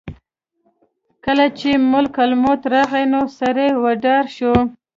کله چې ملک الموت راغی نو سړی وډار شو.